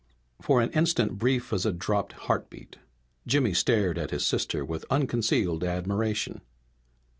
For an instant brief as a dropped heartbeat Jimmy stared at his sister with unconcealed admiration.